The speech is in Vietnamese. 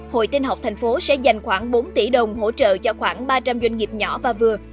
hội tinh học thành phố sẽ dành khoảng bốn tỷ đồng hỗ trợ cho khoảng ba trăm linh doanh nghiệp nhỏ và vừa